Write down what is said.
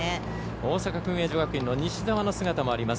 大阪薫英女学院の西澤の姿もあります。